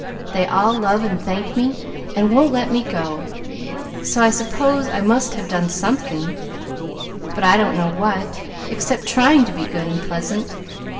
They all love and thank me, and won't let me go, so I suppose I must have done something, but I don't know what, except trying to be good and pleasant."